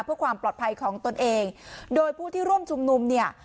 เพื่อความปลอดภัยของตนเองโดยผู้ที่ร่วมชุมนุมเนี่ย